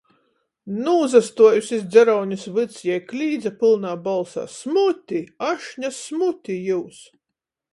Nūsastuojuse iz dzeraunis vyds, jei klīdze pylnā bolsā: "Smuti! Ašņa smuti jius!"